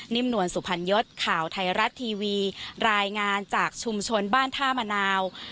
นวลสุพรรณยศข่าวไทยรัฐทีวีรายงานจากชุมชนบ้านท่ามะนาว